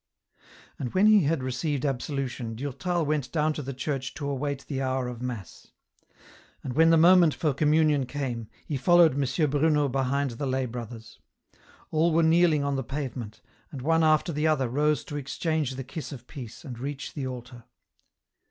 And when he had received absolution, Durtal went down to the church to await the hoiur of mass. And when the moment for communion came, he followed M. Bruno behind the lay brothers. All were kneeling on the pavement, and one after the other rose to exchange the kiss of peace, and reach the altar.